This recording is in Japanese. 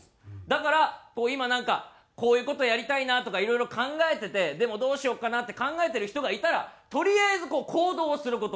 だから今なんかこういう事やりたいなとかいろいろ考えててでもどうしようかなって考えてる人がいたらとりあえず行動をする事。